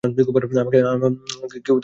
আমাকে কেউ উপদেশ দিতে আসলে বিরক্ত লাগে।